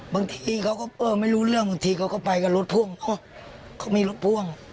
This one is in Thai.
บางทีเขาก็ไม่รู้เรื่องบางทีเขาก็ไปกับรถพ่วงเขามีรถพ่วง